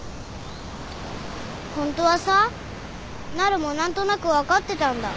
ホントはさなるも何となく分かってたんだ。